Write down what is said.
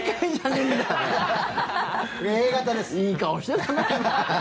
いい顔してるな。